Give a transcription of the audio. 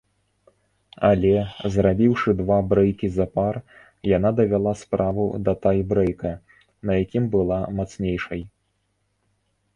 Але, зрабіўшы два брэйкі запар, яна давяла справу да тай-брэйка, на якім была мацнейшай.